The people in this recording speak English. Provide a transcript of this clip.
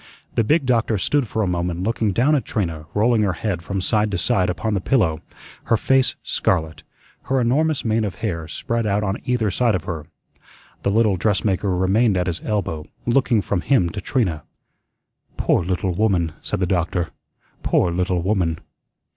The big doctor stood for a moment looking down at Trina rolling her head from side to side upon the pillow, her face scarlet, her enormous mane of hair spread out on either side of her. The little dressmaker remained at his elbow, looking from him to Trina. "Poor little woman!" said the doctor; "poor little woman!"